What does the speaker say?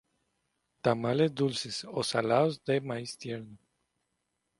Tamales dulces ó salados de maíz tierno.